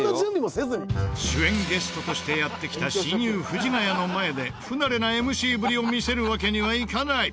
主演ゲストとしてやって来た親友藤ヶ谷の前で不慣れなＭＣぶりを見せるわけにはいかない！